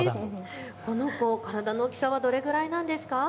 この子、体の大きさはどれくらいなんですか。